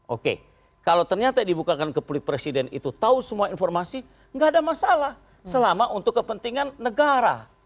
oke kalau ternyata dibukakan ke publik presiden itu tahu semua informasi nggak ada masalah selama untuk kepentingan negara